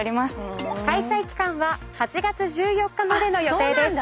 開催期間は８月１４日までの予定です。